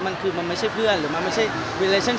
หมายถึงว่าความดังของผมแล้วทำให้เพื่อนมีผลกระทบอย่างนี้หรอค่ะ